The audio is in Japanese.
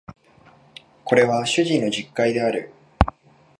これは主人の述懐である